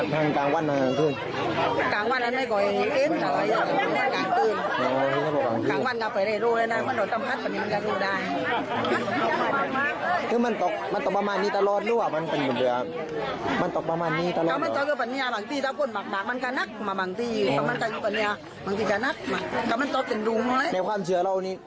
พร้อมว่าแบบนี้ตลอดเลย